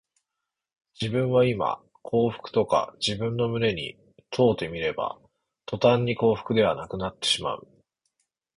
自分はいま幸福かと自分の胸に問うてみれば、とたんに幸福ではなくなってしまう